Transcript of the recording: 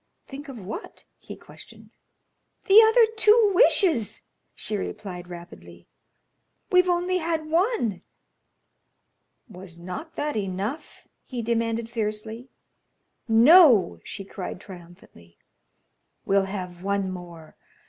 "Think of what?" he questioned. "The other two wishes," she replied, rapidly. "We've only had one." "Was not that enough?" he demanded, fiercely. "No," she cried, triumphantly; "we'll have one more.